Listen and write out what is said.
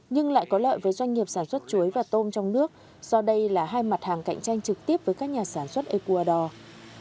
nhưng lại có lợi với doanh nghiệp sản xuất chuối và tôm trong nước do đây là hai mặt hàng cạnh tranh trực tiếp với các nhà sản xuất ecuador